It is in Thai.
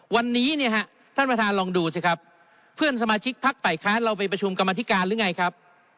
วันนี้เนี่ยฮะท่านประธานลองดูสิครับเพื่อนสมาชิกพักฝ่ายค้านเราไปประชุมกรรมธิการหรือไงครับ